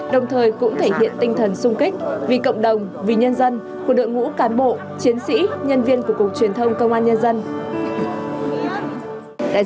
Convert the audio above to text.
đồng thời cũng thể hiện tinh thần sung kích vì cộng đồng vì nhân dân của đội ngũ cán bộ chiến sĩ nhân viên của cục truyền thông công an nhân dân